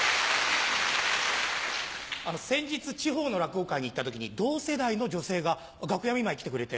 先日地方の落語会に行った時に同世代の女性が楽屋見舞い来てくれて。